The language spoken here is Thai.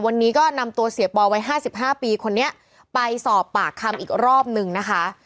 วันนี้ก็นำตัวเสียปอวัย๕๕ปีคนนี้ไปสอบปากคำอีกรอบนึงนะคะ